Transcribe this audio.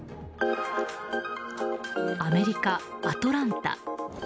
アメリカ・アトランタ。